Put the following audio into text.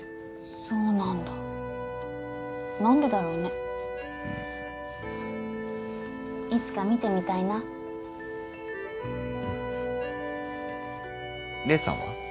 そうなんだ何でだろうねいつか見てみたいな黎さんは？